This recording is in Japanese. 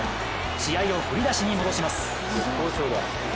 試合を振り出しに戻します。